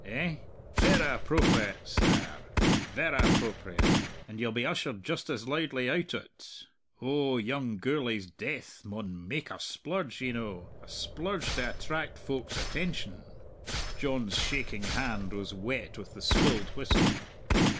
Eh?... Verra appropriate, serr; verra appropriate! And you'll be ushered just as loudly out o't. Oh, young Gourlay's death maun make a splurge, ye know a splurge to attract folk's attention!" John's shaking hand was wet with the spilled whisky.